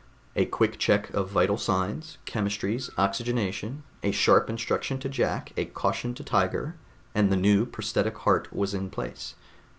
A quick check of vital signs, chemistries, oxygenation, a sharp instruction to Jack, a caution to Tiger, and the new prosthetic heart was in place.